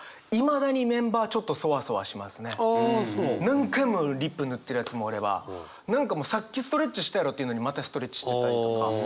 何回もリップ塗ってるやつもおれば何かさっきストレッチしたやろっていうのにまたストレッチしてたりとか。